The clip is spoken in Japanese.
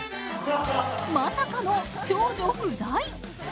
まさかの長女不在。